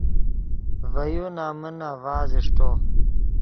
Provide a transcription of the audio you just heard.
ڤے یو نمن آڤاز اݰٹو